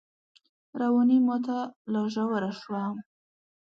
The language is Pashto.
رواني ماته لا ژوره شوه